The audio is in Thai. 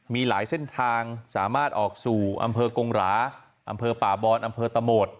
มีหลายเส้นทางสามารถออกสู่อำเภอกงหราอำเภอป่าบอนอำเภอตะโหมด